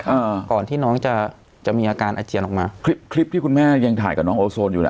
อ่าก่อนที่น้องจะจะมีอาการอาเจียนออกมาคลิปคลิปที่คุณแม่ยังถ่ายกับน้องโอโซนอยู่น่ะ